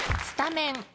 スタメン。